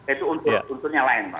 itu unsurnya lain pak